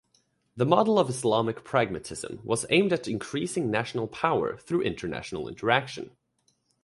The model of Islamic pragmatism was aimed at increasing national power through international interaction.